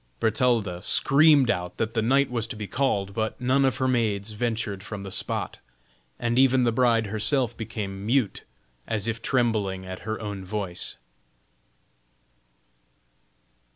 Bertalda screamed out that the knight was to be called, but none of her maids ventured from the spot; and even the bride herself became mute, as if trembling at her own voice.